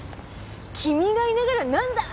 「君がいながらなんだ！」。